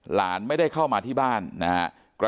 หลานไม่ได้เข้ามาที่บ้านนะครับ